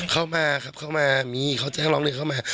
เข้ามาครับเข้ามามีเขาจะให้ร้องเลือกเข้ามา